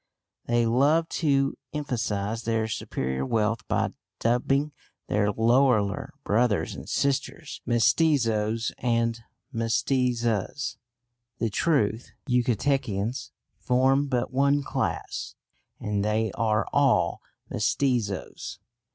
They love to emphasise their superior wealth by dubbing their lowlier brothers and sisters mestizos and mestizas. The truth is the Yucatecans form but one class, and they are all mestizos.